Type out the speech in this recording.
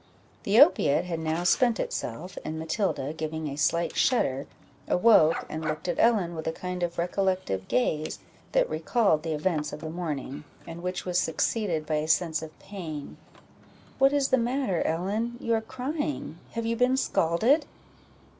The opiate had now spent itself, and Matilda, giving a slight shudder, awoke, and looked at Ellen with a kind of recollective gaze, that recalled the events of the morning, and which was succeeded by a sense of pain. "What is the matter, Ellen? you are crying have you been scalded?"